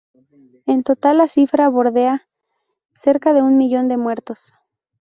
En total la cifra bordea cerca de un millón de muertos.